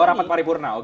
oh rapat paripurna oke